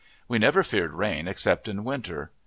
We never feared rain except in winter.